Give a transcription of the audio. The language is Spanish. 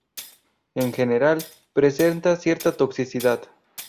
En general, presentan cierta toxicidad.